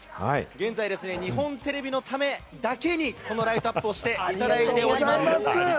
現在、日本テレビのためだけに、このライトアップをしていただいております。